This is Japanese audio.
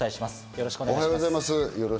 よろしくお願いします。